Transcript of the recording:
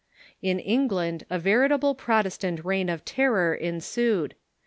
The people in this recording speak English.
In England a veritable Protestant Reign of Ter ror ensued.